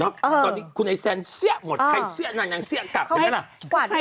ก็ใครที่มีประเด็นกันนะ